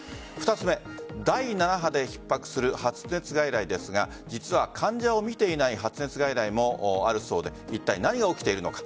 ２つ目第７波でひっ迫する発熱外来ですが実は患者を診ていない発熱外来もあるそうでいったい何が起きているのか。